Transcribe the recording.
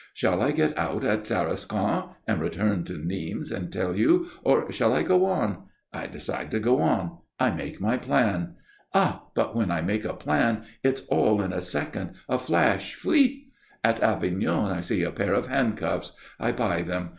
Shall I get out at Tarascon and return to Nîmes and tell you, or shall I go on? I decide to go on. I make my plan. Ah, but when I make a plan, it's all in a second, a flash, pfuit! At Avignon I see a pair of handcuffs. I buy them.